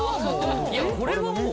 いやこれはもう。